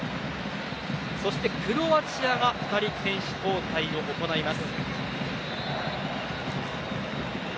そしてクロアチアが２人、選手交代を行います。